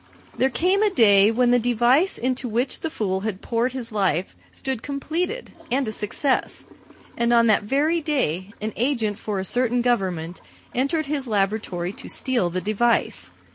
There came a day when the device into which the fool had poured his life stood completed and a success. And on that very day an agent for a certain government entered his laboratory to steal the device.